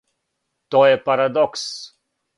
То је парадокс!